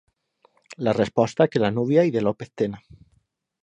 La resposta que la núvia i de López Tena.